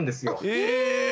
え？